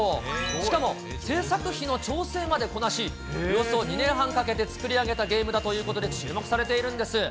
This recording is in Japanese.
しかも製作費の調整までこなし、およそ２年半かけて作り上げたゲームだということで、注目されているんです。